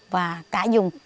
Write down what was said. và cả dùng